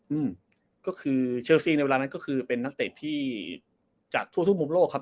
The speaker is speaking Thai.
อืมก็คือเชลซี่ในเวลานั้นก็คือเป็นนักเตะที่จากทั่วทุกมุมโลกครับ